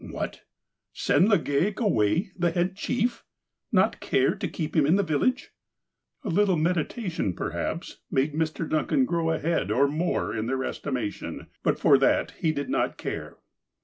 What ? Send Legale away — the head chief ! Not care to keep him in the village ! A little meditation, perhaps, made Mr. Duncan grow a head or more in their estimation. But for that he did not care.